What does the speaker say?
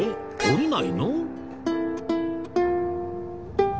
降りないの？